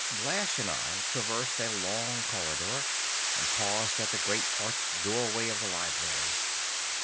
Blash and I traversed a long corridor, and paused at the great arched doorway of the library.